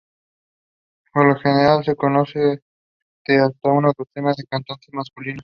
Por lo general, se compone de hasta una docena de cantantes masculinos.